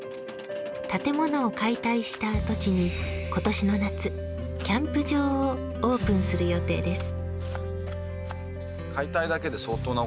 建物を解体した跡地に今年の夏、キャンプ場をオープンする予定です。